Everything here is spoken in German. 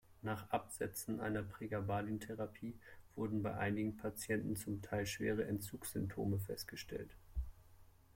Nach Absetzen einer Pregabalin-Therapie wurden bei einigen Patienten zum Teil schwere Entzugs-Symptome festgestellt.